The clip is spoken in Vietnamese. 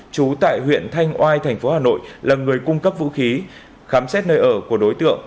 trú tại huyện thanh oai thành phố hà nội là người cung cấp vũ khí khám xét nơi ở của đối tượng